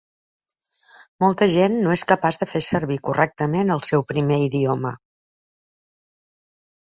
Molta gent no és capaç de fer servir correctament el seu primer idioma.